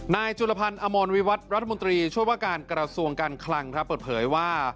จุลพันธ์อมรวิวัตรรัฐมนตรีช่วยว่าการกระทรวงการคลังครับเปิดเผยว่า